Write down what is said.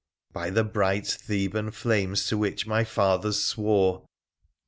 By the bright Theban flames to which my fathers swore